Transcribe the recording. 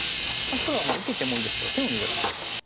黒は受けてもいいですけど手を抜いたとしましょう。